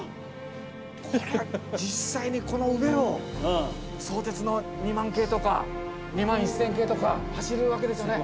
これ実際にこの上を相鉄の２００００系とか２１０００系とか走るわけですね。